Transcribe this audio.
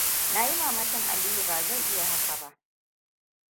Na yi mamakin Aliyu ba zai iya haka ba.